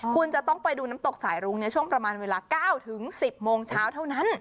คุณจะต้องไปดูน้ำตกสายรุ้งในช่วงประมาณเวลา๙๑๐โมงเช้าเท่านั้น